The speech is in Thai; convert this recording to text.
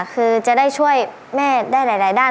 คือจะได้ช่วยแม่ได้หลายด้าน